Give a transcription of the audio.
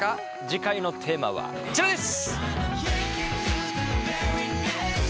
次回のテーマはこちらです！